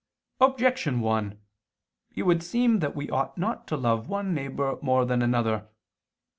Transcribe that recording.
Objection 1: It would seem that we ought not to love one neighbor more than another.